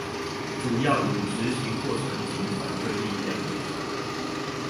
主要與執行過程及反對力量有關